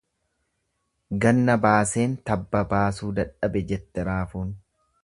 Ganna baaseen tabba baasuu dadhabe jette raafuun.